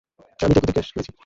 আমি তোকে জিজ্ঞেস করেছি।